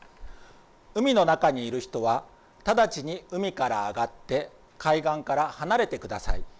海の中にいる人は直ちに海から上がって海岸から離れてください。